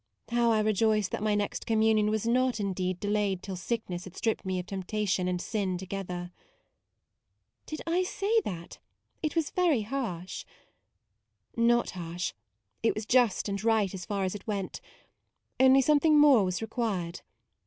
How I rejoice that my next Communion was not, indeed, delayed till sickness had stripped me of temptation and sin together." u Did I say that ? It was very harsh." " Not harsh : it was just and right as far as it went, only something more was required.